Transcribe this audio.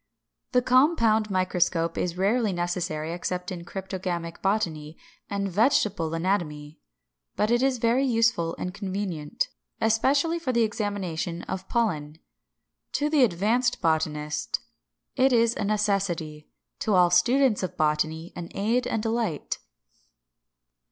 573. The compound microscope is rarely necessary except in cryptogamic botany and vegetable anatomy; but it is very useful and convenient, especially for the examination of pollen. To the advanced botanist it is a necessity, to all students of botany an aid and delight.